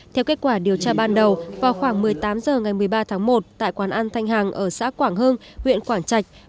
theo kết quả điều tra ban đầu vào khoảng một mươi tám h ngày một mươi ba tháng một tại quán ăn thanh hàng ở xã quảng hưng huyện quảng trạch